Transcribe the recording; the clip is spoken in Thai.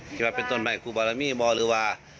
แค่พี่ต้นไม่กูบอกแล้วมีบอกเลยว่า